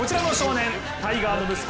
タイガーの息子